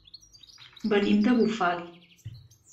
Venim de Bufali.